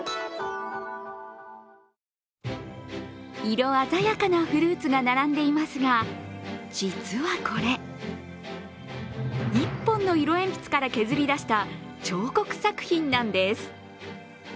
色鮮やかなフルーツが並んでいますが、実はこれ、１本の色鉛筆から削り出した彫刻作品なんです。